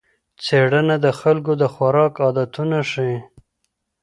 څېړنه د خلکو د خوراک عادتونه ښيي.